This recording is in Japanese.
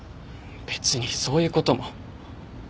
別にそういう事も。